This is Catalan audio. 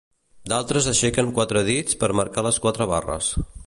D'altres aixequen quatre dits per marcar les quatre barres.